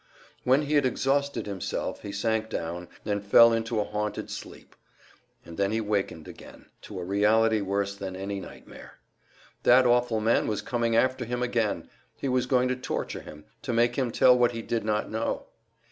When he had exhausted himself, he sank down, and fell into a haunted sleep; and then he wakened again, to a reality worse than any nightmare. That awful man was coming after him again! He was going to torture him, to make him tell what he did not know!